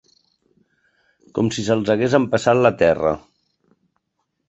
Com si se'ls hagués empassat la terra.